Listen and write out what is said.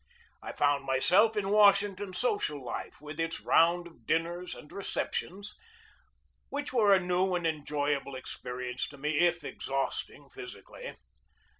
I found myself in Washington social life, with its round of dinners and receptions, which were a new and enjoyable experience to me, if exhausting physically.